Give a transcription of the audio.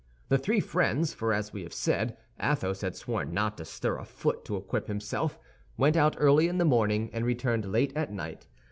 The three friends—for, as we have said, Athos had sworn not to stir a foot to equip himself—went out early in the morning, and returned late at night.